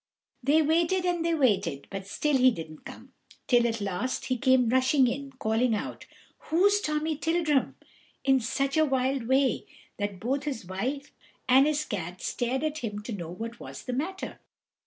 They waited and they waited, but still he didn't come, till at last he came rushing in, calling out, "Who's Tommy Tildrum?" in such a wild way that both his wife and his cat stared at him to know what was the matter.